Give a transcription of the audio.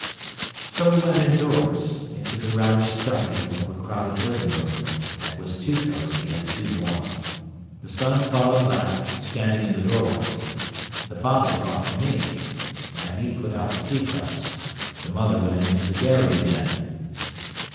So we went indoors, into the rather stuffy, overcrowded living room, that was too cosy and too warm. The son followed last, standing in the doorway. The father talked to me. Maggie put out the tea cups. The mother went into the dairy again.